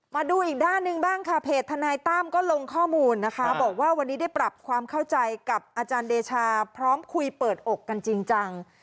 มาดูอีกด้านหนึ่งบ้างค่ะเพจทนายตั้มก็ลงข้อมูลนะคะบอกว่าวันนี้ได้ปรับความเข้าใจกับอาจารย์เดชาพร้อมคุยเปิดอกกันจริงจัง